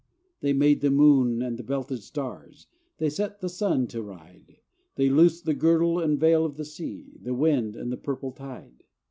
They made the moon and the belted stars, They set the sun to ride; They loosed the girdle and veil of the sea, The wind and the purple tide.